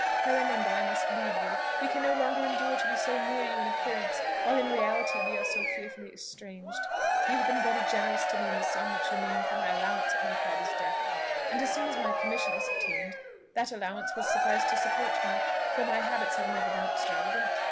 Helen and I must leave you; we can no longer endure to be so near you in appearance, while in reality we are so fearfully estranged. You have been very generous to me in the sum which you named for my allowance at my father's death; and as soon as my commission is obtained, that allowance will suffice to support me, for my habits have never been extravagant.